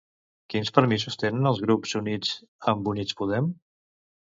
Quins permisos tenen els grups units amb Units Podem?